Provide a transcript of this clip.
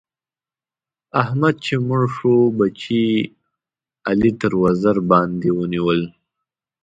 احمد چې مړ شو؛ بچي يې علي تر وزر باندې ونيول.